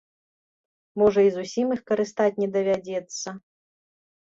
Можа, і зусім іх карыстаць не давядзецца.